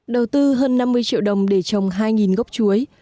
đầu tư hơn năm mươi triệu đồng để trồng hai gốc chuối